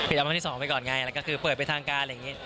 ปิดอัลบั้มที่๒ไปก่อนไงแล้วก็คือเปิดเป็นทางการอย่างนี้